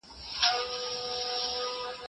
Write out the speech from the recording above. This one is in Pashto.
لااله الاالله